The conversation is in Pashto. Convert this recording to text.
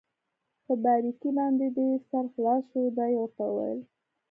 په باریکۍ باندې دې سر خلاص شو؟ دا يې ورته وویل.